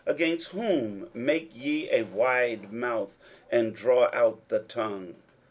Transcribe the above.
against whom make ye a wide mouth, and draw out the tongue?